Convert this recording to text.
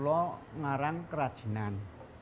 saya menggunakan kerajinan